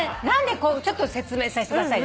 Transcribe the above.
ちょっと説明させてください。